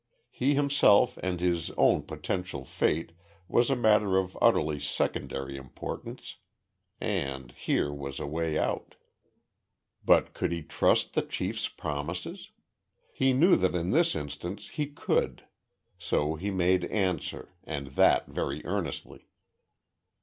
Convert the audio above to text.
He himself and his own potential fate was a matter of utterly secondary importance and, here was a way out. But could he trust the chief's promises? He knew that in this instance he could. So he made answer, and that very earnestly.